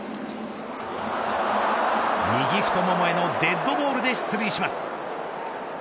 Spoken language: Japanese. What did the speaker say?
右太腿へのデッドボールで出塁します。